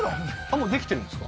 もうできてるんですか？